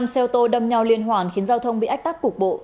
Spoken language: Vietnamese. năm xe ô tô đâm nhau liên hoàn khiến giao thông bị ách tắc cục bộ